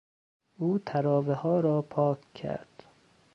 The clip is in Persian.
او تراوهها را پاک کرد.